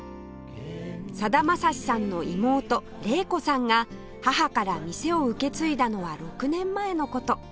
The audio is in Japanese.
さだまさしさんの妹玲子さんが母から店を受け継いだのは６年前の事